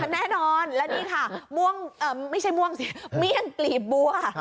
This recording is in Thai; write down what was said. แน่นอนและนี่ค่ะมี่ยังกลีบบัว